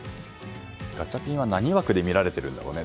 ガチャピンは何枠で見られているんだろうね。